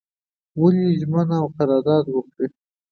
ولي ژمنه او قرارداد وکړي.